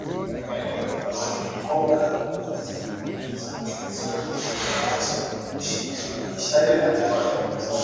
Kongo na Rwanda zajibizana kuhusu waasi wa M ishirini na tatu